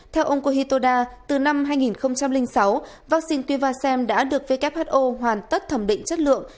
theo ông kohito da từ năm hai nghìn sáu vaccine quynh vasem đã được who hoàn tất thẩm định chất lượng